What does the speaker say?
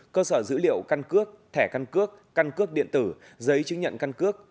cơ sở dữ liệu căn cước thẻ căn cước căn cước điện tử giấy chứng nhận căn cước